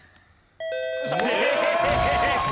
正解！